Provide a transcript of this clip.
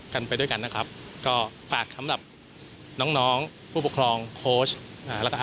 กันไปด้วยกันนะครับก็ฝากข้ำหลักน้องพวกพวกครองแล้วก็